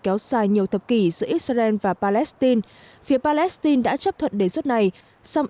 trong tài nhiều thập kỷ giữa israel và palestine phía palestine đã chấp thuận đề xuất này song